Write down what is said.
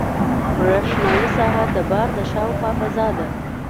برېښنایي ساحه د بار د شاوخوا فضا ده.